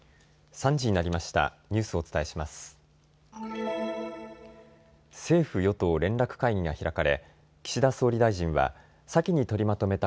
３時になりました。